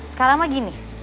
sekarang mah gini